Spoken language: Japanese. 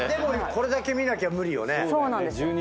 これだけ見なきゃ無理よね。